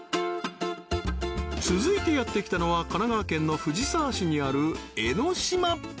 続いてやって来たのは神奈川県の藤沢市にある江ノ島